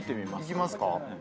行きますか。